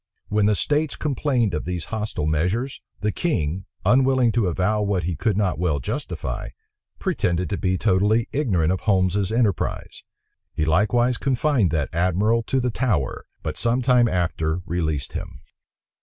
When the states complained of these hostile measures, the king, unwilling to avow what he could not well justify, pretended to be totally ignorant of Holmes's enterprise. He likewise confined that admiral to the Tower; but some time after released him.